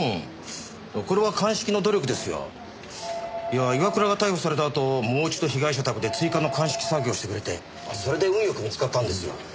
いや岩倉が逮捕されたあともう一度被害者宅で追加の鑑識作業をしてくれてそれで運よく見つかったんですよ。